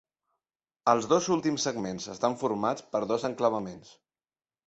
Els dos últims segments estan formats per dos enclavaments.